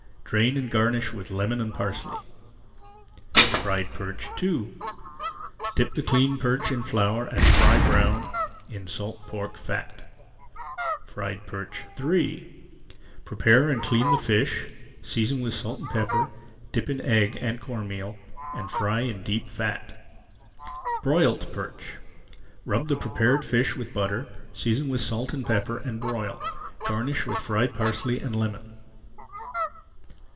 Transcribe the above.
Drain and garnish with lemon and parsley. FRIED PERCH II Dip the cleaned perch in flour and fry brown in salt pork fat. FRIED PERCH III Prepare and clean the fish, season with salt and pepper, dip in egg and corn meal, and fry in deep fat. BROILED PERCH Rub the prepared fish with butter, season with salt and pepper, and broil. Garnish with fried parsley and lemon.